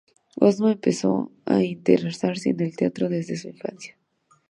Osma empezó a interesarse en el teatro desde su infancia.